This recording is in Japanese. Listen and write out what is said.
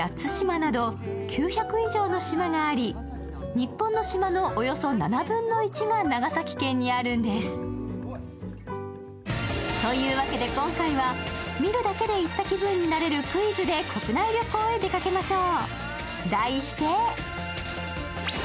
日本の島のおよそ７分の１が長崎県にあるんです。というわけで、今回は見るだけで行った気分になるクイズで国内旅行へ出かけましょう。